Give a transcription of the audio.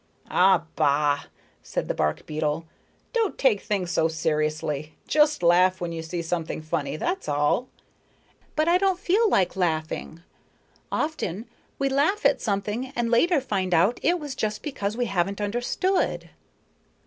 "Ah, bah," said the bark beetle. "Don't take things so seriously. Just laugh when you see something funny; that's all." "But I don't feel like laughing. Often we laugh at something and later find out it was just because we haven't understood."